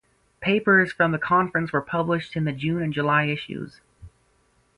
Papers from the Conference were published in the June and July issues.